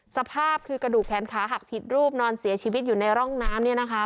สภาพคือกระดูกแขนขาหักผิดรูปนอนเสียชีวิตอยู่ในร่องน้ำ